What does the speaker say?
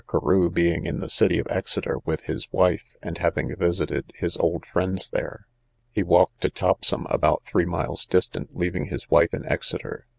Carew being in the city of Exeter with his wife, and, having visited his old friends there, he walked to Topsham, about three miles distant, leaving his wife in Exeter.